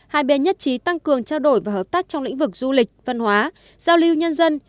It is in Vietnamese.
hai bên nhất trí tăng cường trao đổi và hợp tác trong lĩnh vực du lịch văn hóa giao lưu nhân dân